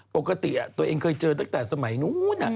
ปกติตัวเองเคยเจอตั้งแต่สมัยนู้น